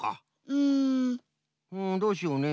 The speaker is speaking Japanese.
うんどうしようね。